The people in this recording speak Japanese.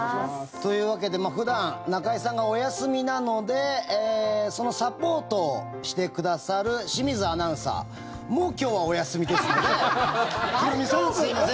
というわけで普段中居さんがお休みなのでそのサポートをしてくださる清水アナウンサーも今日はお休みですのでヒロミさん、すみません。